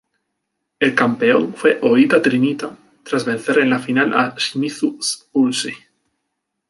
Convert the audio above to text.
El campeón fue Oita Trinita, tras vencer en la final a Shimizu S-Pulse.